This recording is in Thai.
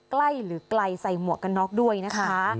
หรือไกลใส่หมวกกันน็อกด้วยนะคะ